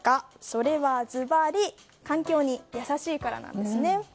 それはずばり環境に優しいからなんです。